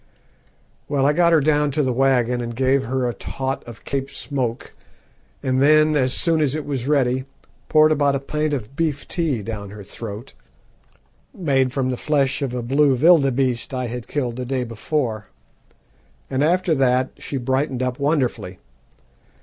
Well, I got her down to the waggon, and gave her a 'tot' of Cape smoke, and then, as soon as it was ready, poured about a pint of beef tea down her throat, made from the flesh of a blue vilderbeeste I had killed the day before, and after that she brightened up wonderfully.